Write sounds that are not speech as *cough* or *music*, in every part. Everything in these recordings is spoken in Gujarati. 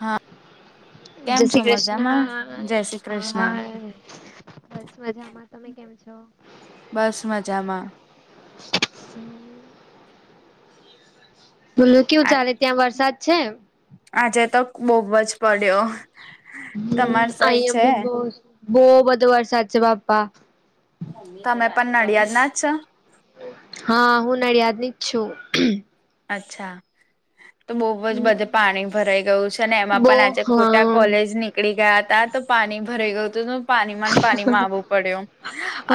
હા જય કેમ છો શ્રી કૃષ્ણ મજામાં જય શ્રી કૃષ્ણ હા બસ મજામાં તમે કેમ છો બસ મજામાં હમ્મ બોલો કેવું ચાલે ત્યાં વરસાદ છે આજે તો બોવ જ પડ્યો હમ્મ તમાર સાઈડ છે અયા બહ બધો વરસાદ છે બાપ્પા તમે પણ નડિયાદ ના જ છો હા હું નડીયાદની જ છું અચ્છા તો બોવજ બધે પાણી ભરાઈ ગયું છે ને એમાં બો પણ આજે ખોટા હા કોલેજ ની પકડી ગયા હતા તો પાણી ભરાય ગ્યુંતું પાણી ન પાણી માં આવવું પડ્યું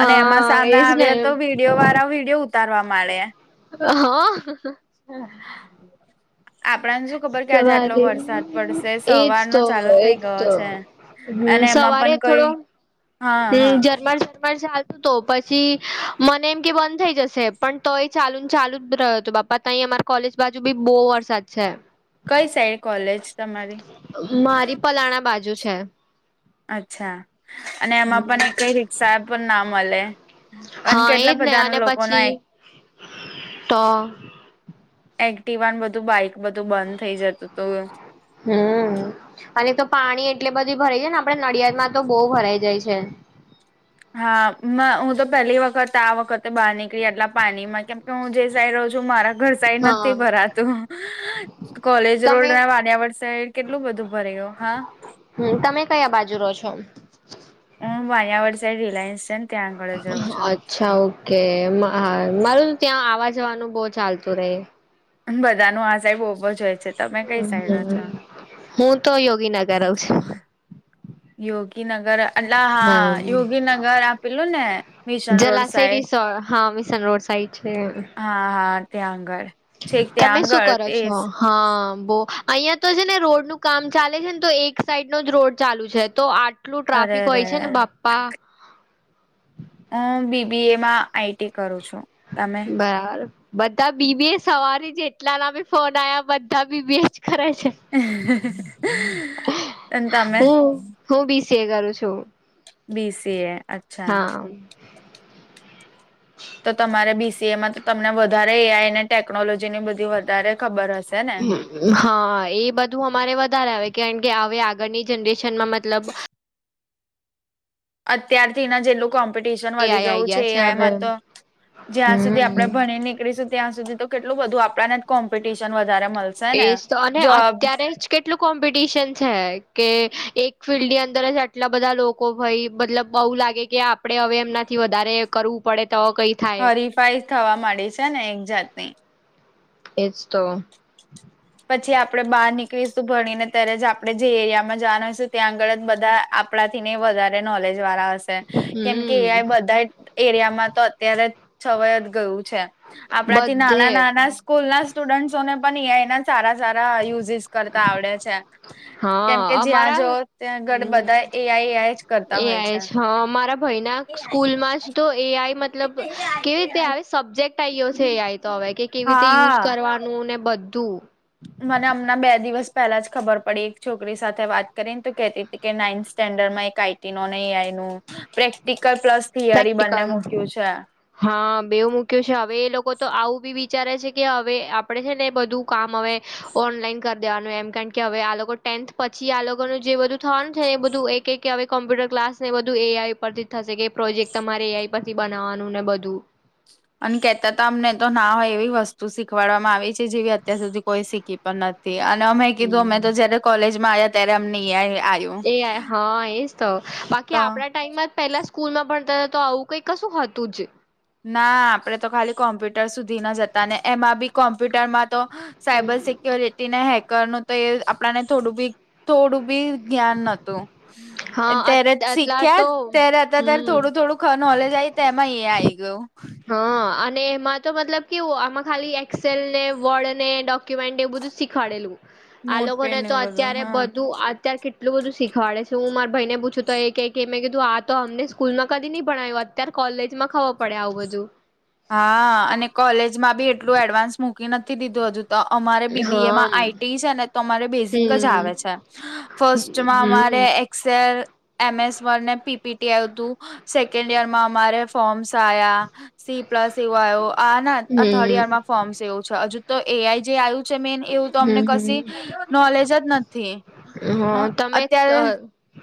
અને એમાં સામે એજ ને આવ્યા તોવી વિડયો વાળા વિડીયો ઉતારવા મળે હા આપડને શું ખબર કે આજે આટલો સવારે વરસાદ પડશે એજ સવારનો તો ચાલુ થઇ એજ ગયો તો છે અને એમાં પણ કઈ હમ્મ જર્મર પણ ચા તો પછી મને એમ કે બંધ થઈ જશે પણ તો એ ચાલુ ને ચાલુ જ રહ્યો હત બાપા ત અમારા કોલેજ બાજુ બી બો વરસાદ છે કઈ સાઈડ કોલેજ તમારી મારી પલાણા બાજુ છે અચ્છા અને એમાં પણ કઈ રિક્ષા પણ ના મળે અને હા એજ કેટલા ને અને બધાના લોકોના પછી તો એક્ટિવાને બધું બાઈક બધું બંધ થઈ જતું હતું હમ્મ અને તો પાણી એટલે બધી ભરાય જાય ને આપડે નડિયાદ માં તો બોવ ભરાઈ જાય છે હા હું તો પેલી વખત આ વખતે બહાર નીકળી આટલા પાણીમાં કેમ હું જે સાઈ રહું છું મારા ઘર સાઈટ હા નથી ભરાતું કોલેજ રોડ તમે વાનિયાવડ સાઈડ કેટલું બધું ભરે ગયું હા હમ તમે કયા બાજુ રહો છો હ હું અહીંયાવાળ સાઈડ રિલાયન્સ છે ને ત્યાં આગળ જાઉં છું. કે હા મારું ત્યાં આવા જવાનું બહ ચાલતું રહે. બધા ન આ સાહેબ બહો જ હોય છે. તમે કઈ સાઈડ રહો છો હું તો યોગીનગર રહું છું. યોગી નગર. એટલે હા યોગીનગર આપેલું ને મિશન રોડ જલાશય સાઈડ. રિસોર્ટ હા મિશન રોડ સાઈડ છે. હા, હા તે્યાં આગળ છેક તેં તમે શું આગળ કરો તે. છો હા બો અહીિયાંયા તો છે ને રોડનું કામ ચાલે છે ને તો એક સાઈડ નો જ રોડ ચાલુ છે તો આ. કેટલું અરે ટ્રાફિક અરે હોય છે ને રે બાપા. હું બીબી એ માં આઈટી કરું છું. તમે બરાબર. બધા બીબી સવારે જેટલાના બી ફોન આવ્યા બધા બીબી જ કરરે છે. એ તમે. હું હું બીસીએ કરું છું. બીસીીએ. હા. હ. તો તમારે બીસીએમાં તો તમને વધારે એઆઈ અનેને ટેકનોલોજી ની બધી વધારે ખબર હશે ને. હા એ બધું અમારે વધારે આવે કારણકે હવે આગળની જનરેશનમાં મતલબ. અત્યારથી ના જેટલું કોમ્પિટિશન એ વધી આઈ આઈ ગયું છે ગયા એ હવે આમાં તો જ્યાં સુધી આપણે. હમ ભણી નીકળીશું ત્યાં સુધી તો કેટલું બધ આપણાને કોમ્પિટિશન વધારે મળશે. ને એ તો અને જોબ અત્યારે જ. કેટલું કોમ્પિટિશન છે કે એક ફિલ્ડ ની અંદર જ આટલા બધા લોકો લોકો ભાઈ મતલબ બું લાગે કે આપણેે હવે એમનાથી વધારે કરવું પડે તો કઈ. થાય હરીફાઈ થવા માંડી છે ને એક જાતની. એજ તો. પછી આપડણે બહાર નીકળીશું ભણીને ત્યારે જ આપડણે જે એરિયામાં જવાનું હોય છે ત્યાં આગળ જ બધા. કપડા થી ને વધારે નોલેજ વાળા હશે. કેમ કે એ હમ બધા એરિયામાં તો અત્યારે છવાય જ ગયું છે. આપણાથી બધે નાના નાના. સ્કૂલ ના સ્ટુડન્ટસોને પણ ઈઆઈ ના સારા સારા યુઝિસ કરતા આવડે છે. હા કેમ કે જ્યાં અમારા જો ત્યાંગળ હમ બધા એ આઈ એ આઈ જ કરતા હોય છે. સ્કૂલ માં જ તો એ આઈ મતલબ કેવી રીતે આવે. સબ્જેક્ટ આ્યો છે તો હવે કે કેવી રીતે યુઝ હા કરવાનું ને બધું. મને અમણાં બે દિવસ પહેલા જ ખબર પડી એક છોકરી સાથે વાત કરીને તો કેહેતી હતી કે નાઇન્થ સ્ટેન્ડર્ડમાં એક આઈ. નો નહ એનું પ્રેક્ટિકલ પ્લસ થિયરી પ્રેક્ટિકલ બંને મૂક્યું છે. હા બેવ મૂક્યું છે હવે એ લોકો તો આવું બી વિચારે છે કે હવે આપડે છે ને બધું. કામ હવે ઓનલાઈન કરી દેવાનું એમ કારણ કે હવે આ ટેન્થ પછી આ લોકોનું જે બધું. છે એ બધું એક એક કે કોમ્પ્યુટર ક્લાસ ને બધું એ આઈ ઉપરથી થશે કે. પ્રોજેક્ટ તમારે એઆઈ પરથી બનાવવાનું ને બધું. અને કેહેતા હતા અમને તો ના હોય એવી વસ્તુ શીખવાડવામાં આવી છે જેવી અત્યાર સુધી કોઈ શીખી પણ નથી. થી અને અમે કીધું અમે તો હમ જયારે કોલેજમાં આવ્યા ત્યારે અમને આવ્યું. એ હા એજ તો બાકી તો આપણા ટાઈમ માં પહેલા જ. સ્કૂલમાં પણ ત તો આવું કઈક કશું હતું જ. ના આપડે તો ખાલી કોમ્પ્યુટર સુધી ના જતા ને એમાં બી કોમ્પ્યુટરમાં તો. Cyber security. ને હેકરનુંું તો એ આપણાને થોડું બી થોડું બી ધ્્યાન નોતું. હા અત ત્યારે એટલા શીખ્યા તો ત્યારે અ ત્યારે હમ થોડું થોડુંક. નલેજ આ તો એમાં એ આ આવી ગયું. હા અને એમાં તો મતલબ કેવું આમાં ખાલી એક્સેલને વોર્ડ ને ડોક બું શીખડેલું આ લોકોને નોટપેડ ને તો એવું બધું અત્યારે હા બધું અત્યારે એટલું બધુંીખડે છે હું મા ભાઈને પૂછું તો એ મે કીધું આ તો અમને સ્કૂલમાં કદી નઈ ભણાવ્યું ત્યારે કોલેજમાં ખબર પડે આવું બધું હા અને કોલેજમાં બી એટલું એડવાન્સ મૂકી નથી દીધું હજુ તો અમારે બીબી એમાં હમ આઈટી છે ને તો અમારે બેઝિક હમ જ આવે છે ફર્સ્ટમાં અમારે એક્સેલ એમએસ વને પીપીટી આવ હતું સેકન્ડ યર માં અમારે ફોર્મ્સ આવ્યા સી પ્લસ એવો આવ્યો આ ના આ થર્ડ યર હમ માં ફોર્મ્સ એવું છે હજુ તો એ આઈ જે આવ્યું મેન એવું તો અમને ક હમ હમ નોલેજ જ નથી હમ હ હા તમે અત્યારે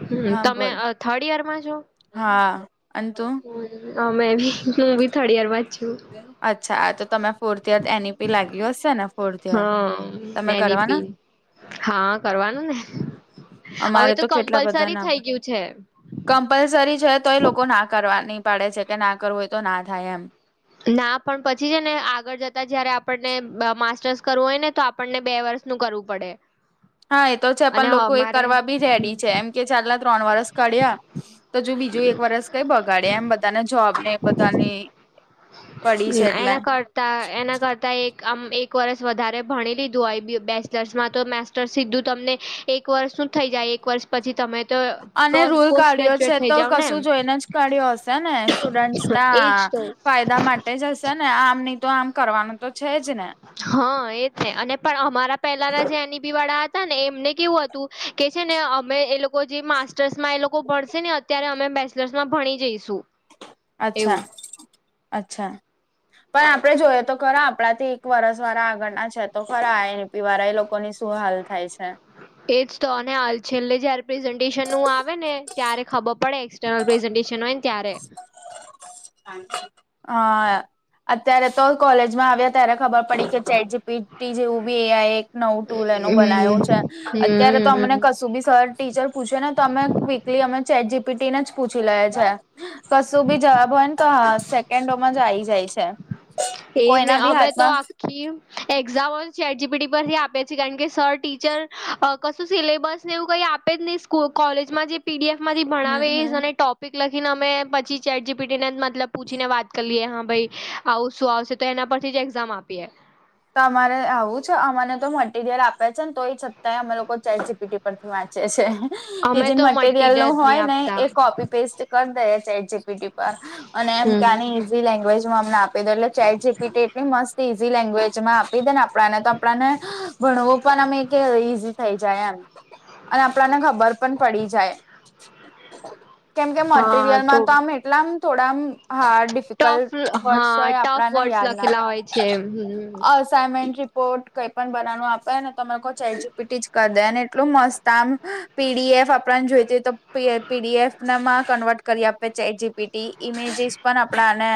હમ હા તમે બોલ થર્ડ યરમાં છો હા અનેંતું હ મેબી હું બી થર્ડ યર માં જ છું અચ્છા તો તમે fourth year N E P લાગ્યું હશે ને ફોર્થ યર તમે હા એની કરવાના પી હા કરવાનું ને અમારે હવે તો કેટલા બધા કમ્પલસરી ના થઈ ગયું છે કમ્પલસરી છે તો એ લોકો ના કરવાની પડે છે કે ના કરવું હોય તો ના થાય એમ ના પણ પછી છે ને આગળ જતા જયારે આપણને માસ્ટર્સ કરવું હોય ને તો આપણને બે વર્ષ નું કરવું પડે હા એ તો છે અને પણ લોકો એ અમારે કરવા બી રેડી છે એમ કે ચાલા ત્રણ વરસ કર્યા તો જો બીજું એક વરસ કઈ બગાડ્યા એમ બધ ધાને જોબ ને બધાની પડી છે એટલે ત એના કરતા એક આમ એક વરસ વધારે ભણી લીધું હોય બેચલર્સમાં તો મેસ સીધું તમને એક વર્ષ નું થઈ જાય એક વર્ષ પછી તમે તો અને રૂલ પોસ્ટ કાઢ્યો છે ગ્રેજ્યુએટ થઈ તો જાવ ને કશું એમ જોઈને જ કાઢ્યો હશે ને સ્ટુડન્ટ ના એજ તો ફાયદા મા ટેજ હશે ને આમ ની તો આમ કરવાનું તો છે જ ને હા એ છે અને પણ અમારા પેલાના જે એની વાળા હતા ને એમને કેવું હતું કે છે ને અમે એ લોકો જે માસ્ટર્સમાં એ લોકો ભણસે ને ત્યારે અમે બેચલર્સમાં ભણી જઈશું અચ્છા એવું અચ્છા પણ આપડે જોઈએ તો ખરા આપડાથી એક વરસ વાળા આગળના છે તો ખરા એ પીવારા એ લોકોની શું હાલ થાય છે એજ તો અને હાલ છેલ્લે જયારે પ્રેઝન્ટેશનું આવે ને ત્યારે ખબર પડે *unintelligible* હોય ને ત્યારે હ અત્યારે તો કોલેજમાં આવ્યા ત્યારે ખબર પડી કે ચેટ જીપીટી જેવું બી એ આઈ નવું ટુલ એનું બનાવું હમ છે હમ અત્યારે તો અમને હમ કશું બી સર ટીચર પૂછે ને તો અમે ક્વિકલી અમે ચેટ જીપીટી ને જ પૂછી લેયે છે કશું બી જવાબ હોય ને તો સેકન્ડોમાં જ આ આવી જાય છે એજ ને કોઈના બી અમે તો હાથમાં આખી એક્ઝામ એજીપી પરથી આપે છે કારણ કે સર ટીચર કશું સિલેબસ ને એવું કઈ આપ આપે જ નહીં સ્કૂ કોલેજમાં જે પીડીએફ માંથી હમ ભણાવે હમ એજ અને ટોપ લખીને અમે પછી ચેટ જી પી ટીને મતલબ પૂછીને વાત કરી લિયે હા ભાઈ આવું શું આવશે તો એના પરથી જ એક્ઝામ આપીએ તો અમારે આવું છે અમાને તો મટીરિયલ આપે છે ને તોઈ છતાંય અમે લોકો ચેટ જીપીટી પરથી વાંચયે છે એ અમે જે તો મટીરિયલ નું જ નહી હોય ને આપતા એ કોપી પેસ્ટ કરી દેએ ચેટ જીપીટી પર અને એમ કે હમ આની લેંગ્વેજમાં અમને આપી દો એટલે ચેટ જીપીટી એટલી મસ્ત ઇઝી લેંગ્વેજમાં આપી દે દેને આપ પડાને તો આપડાને ભણવું પણ અમે કે ઈઝી થઈ જાય એમ અને આપડાને ખબર પણ પડી જાય. કેમ કે મટીરિયલમાં તો આમ એટલામ થોડા આમ હા ટફ ડિફિકલ્ટ વર્ડસ હા હોય ટફ આપડાને વર્ડસ યાદ ના લખેલા હોય છે હમ. અસાાઈનમેન્ટ રિપોર્ટ કંઈ પણ બનાવનું આપે ને તો મેં તો ચેટ જીપીટી જ કરી દે અને એટલું મસ્ત આમ પીડીએફ આપડાને જોઈતી હોય તો પીડીએફ નામાં કન્વર્ટ કરી આપે ચેટ જીપી ઇમેજીસ પણ આપડાને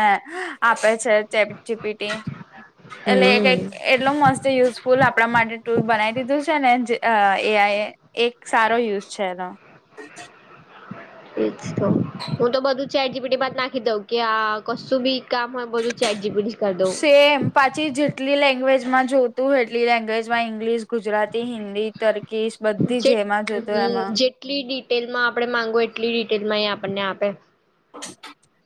આપે છે ચેટ જીપીટી. એલે એ કંઈક હમ એટલો મસ્ત યુઝફુલ આપડા માટે ટુલ બનાવી દીધું છે ને જે એ આઈ એ. એક સારો યુઝ છે એનો. એ જ તો હું તો બધું ચેટ જીપીટીમાંજ નાખી દઉં કે આ કશું બી કામ હોય બોધું ચેટ જીપીટી કર દો. સેમ પાછી જેટલી લેંગ્વેજમાં જોતું એટલી લેંગ્વેજમાં ઇંગ્લિશ, ગુજરાતી, હિન્દી તર્કીશ બધી જે એમાં જોતો એમાં લી ડિટેલ માં આપડે માંગવું એટલી ડિટેલ માં એ આપણને આપે.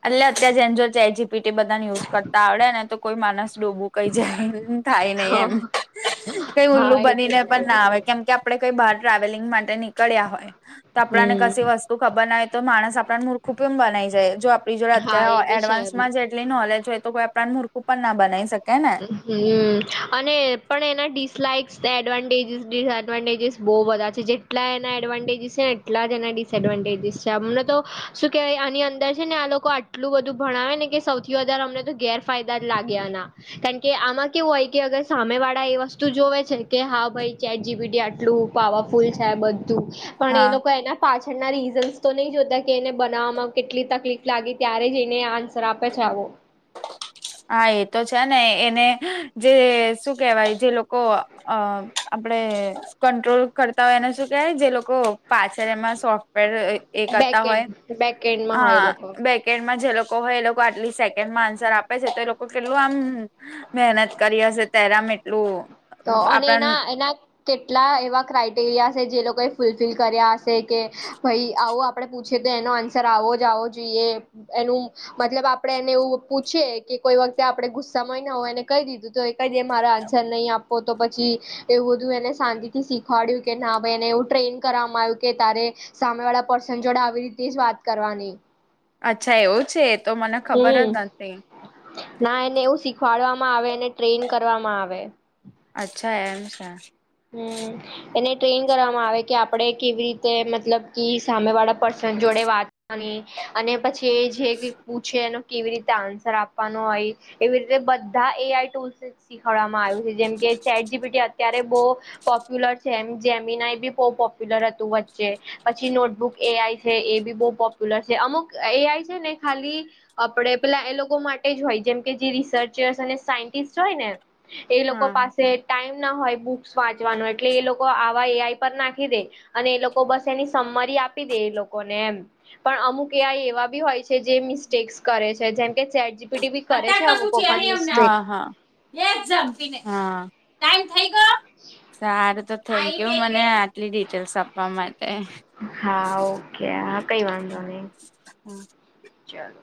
એટલે અત્યારે જેને જો ચેટ જી પી ટી બધાને યુઝ કરતા આવડે ને તો કોઈ માણસ ડોબું કઈ જાય થાય નહી એમ. હા કઈ ઉલ્લું હા એ બની તો ને છે પણ ના જ આવે કેમ કે આપડે કોઈ બાર ટ્રાવેલિંગ માટે નીળ્યા હોય તો આપણાને કશે હમ વસ્ ખબર ના તો માણસ આપણા મૂર્ખું કેમ બનાઈ જાય જો આપણી જોડે હા એ અત્યારે બી છે એમ એડવાન્સમાં જે એટલી નોલેજ હોય તો કોઈ આપ મૂર્ખું પણ ના બનાવી શકે ને. હમ્મ અને પણ એના ડિસલાઇક્સ એડવાન્ટેજીસ ડિસએડવાન્ટેજીસ બહુ બધા છે જે એટલા એના એડવાન્ટેજીસ છે ને એટલા જ એના ડિસએડવાન્ટેજીસ છે અમને તો શું કેહેવાય આની અંદર છે ને આ લોકો આ ટલું બધું ભણાવે ને કે સૌથી વધારે અમને તો ગેરફાયદા જ લાગ્યા આના. કારણ કે આમાં કેવું હોય કે અગર સામે વાળા એ વસ્તુ જોવે છે કે હા ભાઈ ચેટ જી બી ટી આટલું પાવરફુલ છે આ બધું પણ એ હા લોકો એના પાછળના રીઝન્સ તો નહી જોતા કે એને બનાવવામાં કેટલી તકલીફ લાગી ત્યારે જ એને આન્સર આપે છે આવો. *unintelligible* હા એ તો છે ને એને જે શું કેહેવાય જે લોકો અહ આપડે કંટ્રોલ કરતા હોય એને શું કેહેવાય જે લોકો પાછળ એમાં સોફ્ટવેર એ એ કરતા હોય બેકેન્ડ બેકેન્ડમાં હોય હા એ લોકો બેકેડમાં જે લોકો હોય એ લોકો આટલી સે કેન્ડ માં આન્સર આપે છે તો એ લોકો કેટલું આમ મહેનત કરી હશે તેરામ એટલું તો અને આપણ એના એના કેટલા એવા ક્રાઈટેરિયા છે જે લોકોએ ફૂલફિલ કર્યા હશે કે ભાઈ આવું આપ આપડણે પૂછીએ તો એનો આન્સર આવો જ આવો જોઈએ એનું મતલબ આપડે એને એવું પૂછીએ કે કોઈ વખતે આપડણે ગુસ્સામાંય ના હોય એને કહી દીધું તો કઈ દે મારા આન્સર નહીં આપ કો તો પછી એવું બધું એને શાંતિ થી શીખવાડ્યું કે ના ભાઈ એને એવું ટ્રેન કરવામાં આવ્યું કે તારે સામે વાળા પર્સન જોડે આવી રીતે જ વાત કરવાની. અચ્છા એવું છે તો મને ખબર હમ્મ, જ નથી ના એને એવું શીખવાડવામાં આવે એને ટ્રેન કરવામાં આવે. અચ્છા એમ છે. હમ્મ. એને ટ્રેન કરવામાં આવે કે આપડે કેવી રીતે મતલબ સામે વાળા પર્સન જોડે વાત આની અને પછી એ જે પૂછે એનો કેવી રીતે આન્સર આપવાનો હોય. એવી રીતે બધા એ આઈ ટૂલ્સ શીખડવામાં આવ્યું છે જેમ કે ચેટ જી પી ટી અત્યારે બો પોપ્યુલર છે એમ જેમીનાય બી બહુ પોપ્યુલર હતું વચ્ચે. પછી નોટબુક એ આઈ છે એ બી બહુ પોપ્યુલર છે અમુક એ આઈ છે ને ખાલી આપડે પેલા એ લોકો માટે જ હોય જેમકે જે રિસર્ચર્સ અને સાયન્ટિસ્ટ હોય ને એ લોકો હા. પાસે ટાઈમ ના હોય બુક સ વાંચવાનું એટલે એ લોકો આવા એ આઈ પર નાખી દે અને એ લોકો બસ એની સમમરી આપી દે એ લોકોને એમ પણ અમુક એ આઈ એવા બી હોય છે જે મિસ્ટેક્સ કરે છે જેમ કે ચેટ જી પી ટી કરે છે અત્યારે અમુક કશું વખત નહી અમને મિસ્ટેક. હા હા, સારું તો થૅન્ક યુ મને આ ટલી ડિટેલ્સ આપવા માટે. હા ઓકે હા કઈ વાંધો નહી હમ્મ. ચલો.